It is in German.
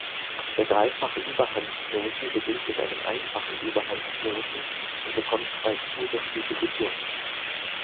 Der Dreifache Überhandknoten beginnt mit einem einfachen Überhandknoten und bekommt zwei zusätzliche Wicklungen.